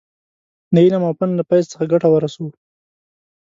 د علم او فن له فیض څخه ګټه ورسوو.